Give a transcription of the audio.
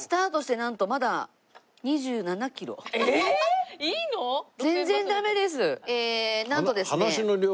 なんとですね。